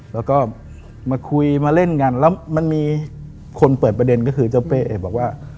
แล้วก็มาคุยมาเล่นกันแล้วมันมีคนเปิดประเด็นก็คือเจ้าเป้เอบอกว่า